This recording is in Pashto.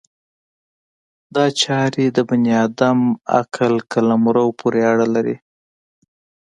دا چارې د بني ادم عقل قلمرو پورې اړه لري.